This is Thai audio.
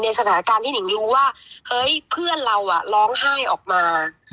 สถานการณ์ที่นิ่งรู้ว่าเฮ้ยเพื่อนเราร้องไห้ออกมา